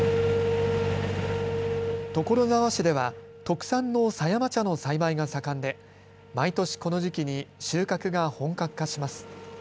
所沢市では特産の狭山茶の栽培が盛んで毎年この時期に収穫が本格化します。